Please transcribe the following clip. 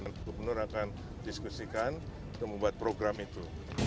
dan gubernur akan diskusikan untuk membuat program itu